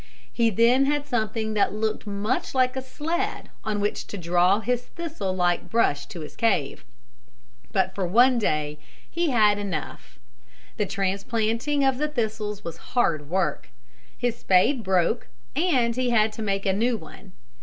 He then had something that looked much like a sled on which to draw his thistle like brush to his cave. But for one day he had done enough. The transplanting of the thistles was hard work. His spade broke and he had to make a new one.